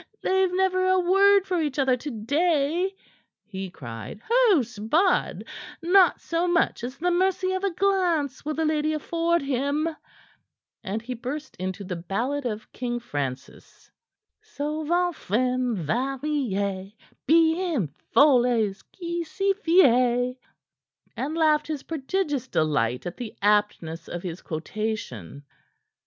"They've never a word for each other to day!" he cried. "Oh, 'Sbud! not so much as the mercy of a glance will the lady afford him." And he burst into the ballad of King Francis: "Souvent femme varie, Bien, fol est qui s'y fie!" and laughed his prodigious delight at the aptness of his quotation.